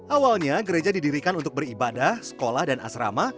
awalnya gereja didirikan untuk beribadah sekolah dan asrama